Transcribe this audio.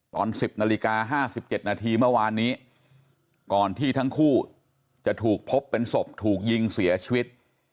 ตอน๑๐นาฬิกา๕๗นาทีเมื่อวานนี้ก่อนที่ทั้งคู่จะถูกพบเป็นศพถูกยิงเสียชีวิต